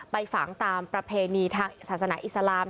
ไปฝังตามประเพณีทางศาสนาอิสลาม